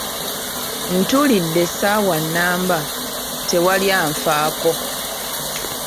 Ntuulidde essaawa nnamba, tewali anfaako.